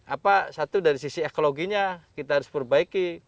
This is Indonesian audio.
apa satu dari sisi ekologinya kita harus perbaiki